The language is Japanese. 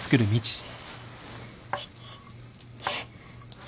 １２３。